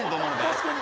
確かに。